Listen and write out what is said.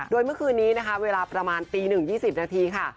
โดยเมื่อคืนนี้นะคะเวลาประมาณตี๑๒๐นาทีค่ะ